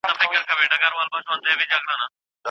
قانون د چاپیریال ساتنې لپاره جوړ شوی دی.